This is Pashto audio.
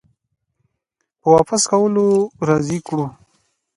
په واپس کولو راضي کړو